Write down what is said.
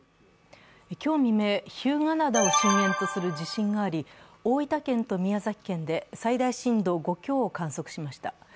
今日未明、日向灘を震源とする地震があり、大分県と宮崎県で最大震度５強を観測しました。